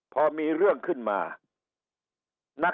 พอมีเรื่องขึ้นมา